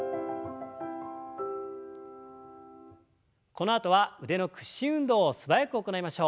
このあとは腕の屈伸運動を素早く行いましょう。